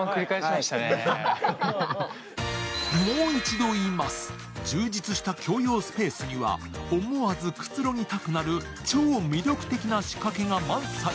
もう一度言います、充実した共用スペースには思わずくつろぎたくなる超魅力的な仕掛けが満載。